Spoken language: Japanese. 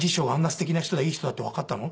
すてきな人だいい人だってわかったの？